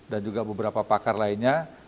dan juga beberapa pakar lainnya